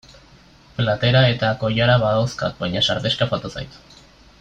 Platera eta koilara badauzkat baina sardexka falta zait.